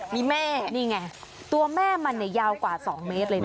มีแม่นี่ไงตัวแม่มันเนี่ยยาวกว่า๒เมตรเลยนะ